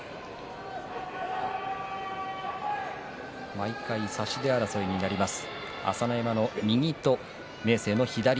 毎回、差し手争いになります。